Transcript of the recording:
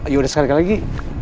yaudah sekali lagi